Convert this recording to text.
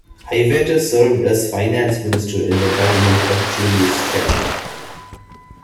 Haiveta served as finance minister in the government of Julius Chan.